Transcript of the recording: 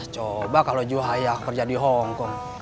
coba kalau ju hayak kerja di hongkong